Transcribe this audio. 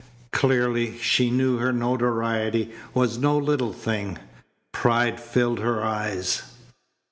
Clearly she knew her notoriety was no little thing. Pride filled her eyes.